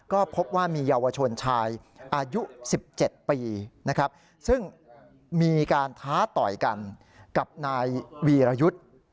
ก็พบว่ามีเยาวชนชายอายุ๑๗ปีนะครับซึ่งมีการท้าต่อยกันกับนายวีรยุทธ์